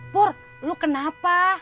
pur lo kenapa